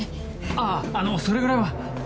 あぁあのそれぐらいは。